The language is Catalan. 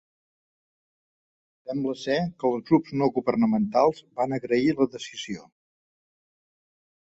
Sembla ser que els grups no governamentals van agrair la decisió.